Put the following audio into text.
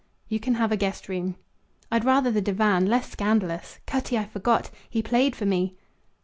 "You can have a guest room." "I'd rather the divan; less scandalous. Cutty, I forgot. He played for me."